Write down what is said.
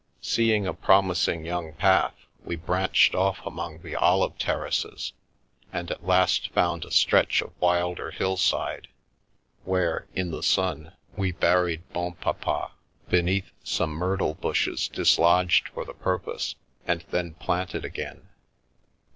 Seeing a promising young path, we branched off among the olive terraces, and at last found a stretch of wilder hillside, where, in the sun, we buried Bonpapa, beneath some myrtle bushes dislodged for the purpose, and then planted again.